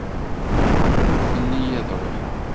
Unfen-iyi ad ruḥeɣ.